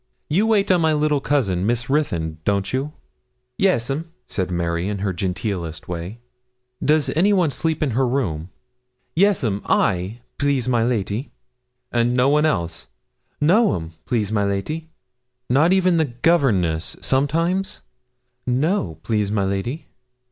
'You wait on my little cousin, Miss Ruthyn, don't you?' 'Yes, 'm,' said Mary, in her genteelest way. 'Does anyone sleep in her room?' 'Yes, 'm, I please, my lady.' 'And no one else?' 'No, 'm please, my lady.' 'Not even the governess, sometimes? 'No, please, my lady.'